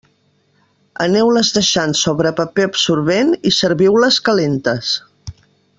Aneu-les deixant sobre paper absorbent i serviu-les calentes.